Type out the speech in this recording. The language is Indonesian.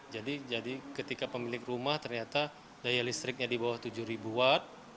jadi ketika pemilik rumah ternyata daya listriknya di bawah tujuh watt